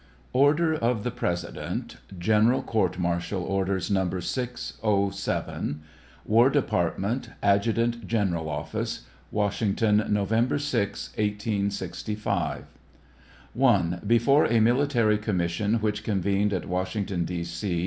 ORDER OF THE PRESIDENT. [General Court martial Orders No. 607.] War Department, Adjutant General's Office, Washington, November 6, 1865. I. Before a military commission which convened at Washington, D. C.